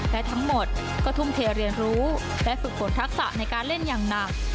และทั้งหมดก็ทุ่มเทเรียนรู้และฝึกฝนทักษะในการเล่นอย่างหนัก